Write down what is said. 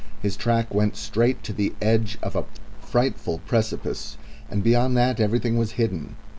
His track went straight to the edge of a frightful precipice, and beyond that everything was hidden.